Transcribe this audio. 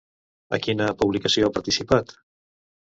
A quina publicació ha participat?